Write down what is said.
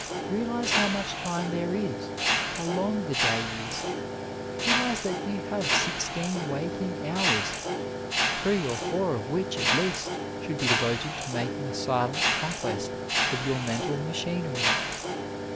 Realise how much time there is, how long the day is. Realise that you have sixteen waking hours, three or four of which at least should be devoted to making a silent conquest of your mental 44 OF LIFE machinery.